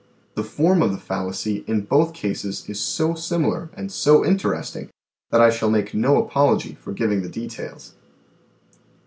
The form of the fallacy in both cases is so similar and so interesting that I shall make no apology for giving the details.